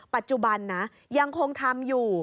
ปัจจุบันนะยังคงทำอยู่